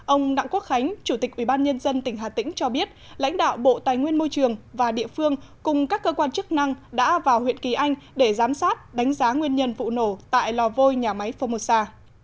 ông đặng quốc khánh chủ tịch ubnd tỉnh hà tĩnh cho biết lãnh đạo bộ tài nguyên môi trường và địa phương cùng các cơ quan chức năng đã vào huyện kỳ anh để giám sát đánh giá nguyên nhân vụ nổ tại lò vôi nhà máy phomosa